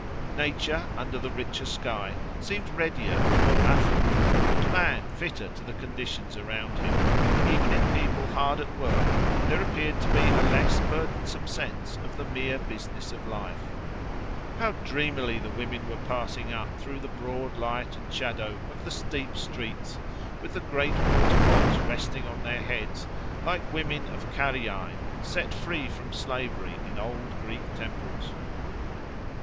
Nature, under the richer sky, seemed readier and more affluent, and man fitter to the conditions around him: even in people hard at work there appeared to be a less burdensome sense of the mere business of life. How dreamily the women were passing up through the broad light and shadow of the steep streets with the great water pots resting on their heads, like women of Caryae, set free from slavery in old Greek temples.